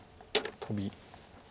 トビ。